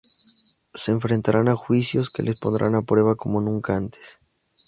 Se enfrentarán a juicios que les pondrán a prueba como nunca antes.